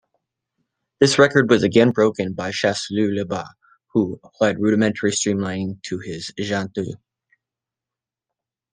This record was again broken by Chasseloup-Laubat, who applied rudimentary streamlining to his Jeantaud.